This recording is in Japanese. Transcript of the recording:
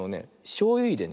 しょうゆいれね